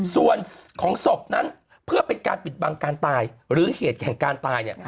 ส่วนของศพนั้นเพื่อเป็นการปิดบังการตายหรือเหตุแห่งการตายเนี่ย